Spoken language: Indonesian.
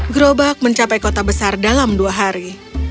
gerobak mencapai kota besar dalam dua hari